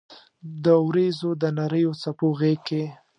د اوریځو د نریو څپو غېږ کې